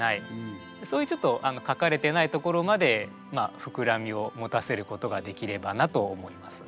そういうちょっと書かれてないところまで膨らみを持たせることができればなと思います。